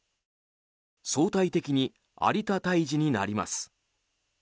相対的に有田退治になります。